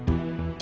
え！！